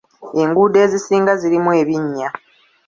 Enguudo ezisinga zirimu ebinnya.